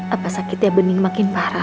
apa sakitnya bening makin parah